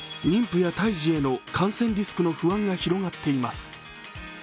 妊婦や胎児への感染リスクの不安が広がっています。